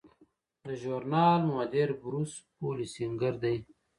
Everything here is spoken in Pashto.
د ژورنال مدیر بروس هولسینګر دی.